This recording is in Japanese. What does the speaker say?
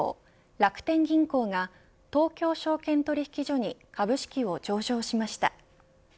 楽天銀行が東京証券取引所に株式を上場しました。